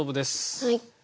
はい。